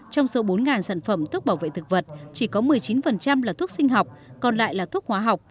trong số bốn sản phẩm thuốc bảo vệ thực vật chỉ có một mươi chín là thuốc sinh học còn lại là thuốc hóa học